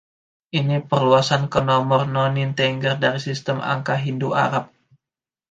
Ini perluasan ke nomor noninteger dari sistem angka Hindu-Arab.